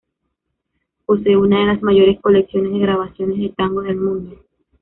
Posee una de las mayores colecciones de grabaciones de tango del mundo.